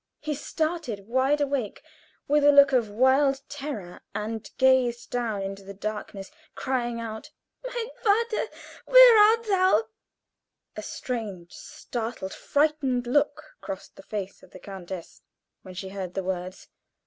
He started wide awake, with a look of wild terror, and gazed down into the darkness, crying out: "Mein Vater, where art thou?" A strange, startled, frightened look crossed the face of the countess when she heard the words.